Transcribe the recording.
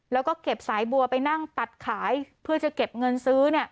แล้วก็เก็บสายบัวไปนั่งตัดขายเพื่อจะเก็บเงินซื้อ